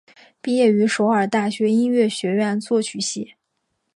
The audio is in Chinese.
毕业于首尔大学音乐学院作曲系。